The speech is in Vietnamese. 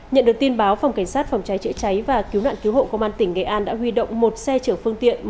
nhận được tin báo phòng cảnh sát phòng cháy chữa cháy và cứu nạn cứu hộ công an tỉnh nghệ an đã huy động một xe chở phương tiện